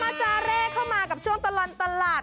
จาเร่เข้ามากับช่วงตลอดตลาด